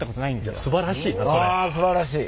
わあすばらしい。